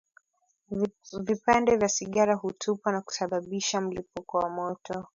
Vipande vya sigara hutupwa na kusababisha mlipuko wa moto